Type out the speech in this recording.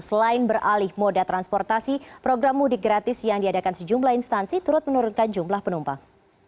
selain beralih moda transportasi program mudik gratis yang diadakan sejumlah instansi turut menurunkan jumlah penumpang